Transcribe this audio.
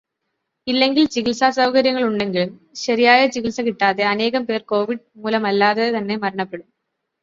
ഇല്ലെങ്കിൽ ചികിത്സാ സൗകര്യങ്ങൾ ഉണ്ടെങ്കിലും, ശരിയായ ചികിത്സ കിട്ടാതെ അനേകം പേർ കോവിഡ് മൂലമല്ലാതെ തന്നെ മരണപ്പെടും.